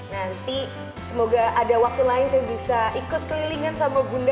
nanti semoga ada waktu lain saya bisa ikut kelilingan sama bunda